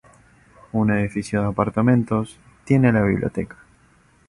Un edificio de apartamentos tiene la biblioteca.